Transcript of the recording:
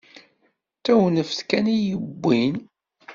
D tewnef kan i yi-yewwin.